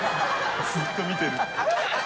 ずっと見てる。